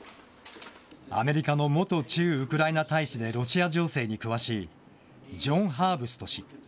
アメリカの元駐ウクライナ大使でロシア情勢に詳しい、ジョン・ハーブスト氏。